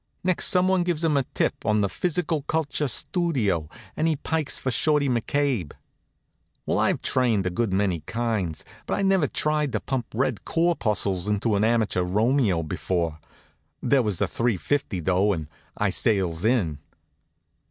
Next some one gives him a tip on the Physical Culture Studio and he pikes for Shorty McCabe. Well, I've trained a good many kinds, but I'd never tried to pump red corpuscles into an amateur Romeo before. There was the three fifty, though, and I sails in.